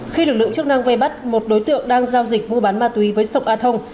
khi lực lượng chức năng vây bắt một đối tượng đang giao dịch mua bán ma túy với sông a thông